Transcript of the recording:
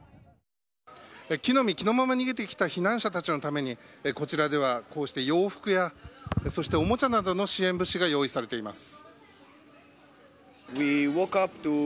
着の身着のまま逃げてきた避難者のためにこちらでは洋服やおもちゃなどの支援物資が用意されています。